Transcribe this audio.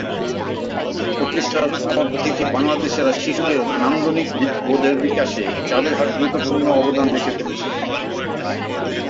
প্রতিষ্ঠার পর থেকে বাংলাদেশের শিশুদের নান্দনিক বোধের বিকাশে চাঁদের হাট গুরুত্বপূর্ণ অবদান রেখে চলেছে।